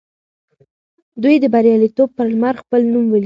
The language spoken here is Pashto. دوی د بریالیتوب پر لمر خپل نوم ولیکه.